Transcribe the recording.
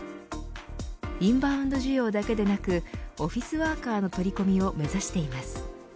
インバウンド需要だけでなくオフィスワーカーの取り込みを目指しています。